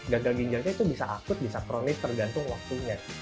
gagal ginjalnya itu bisa akut bisa kronis tergantung waktunya